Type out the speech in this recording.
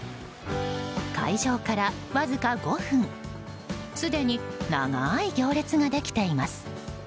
開場から、わずか５分すでに長い行列ができています。